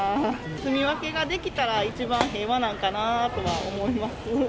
すみ分けができたら、一番平和なんかなとは思います。